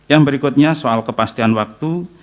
yang berikutnya soal kepastian waktu